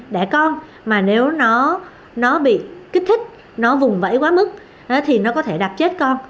đẻ con mà nếu nó bị kích thích nó vùng vẫy quá mức thì nó có thể đặt chết con